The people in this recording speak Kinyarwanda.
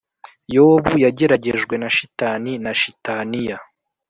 yobu yageragejwe na shitani na shitaniya